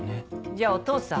じゃあお父さん？